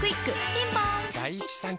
ピンポーン